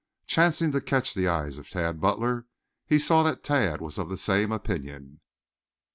Chancing to catch the eyes of Tad Butler, he saw that Tad was of the same opinion.